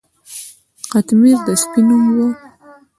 قطمیر د سپي نوم و.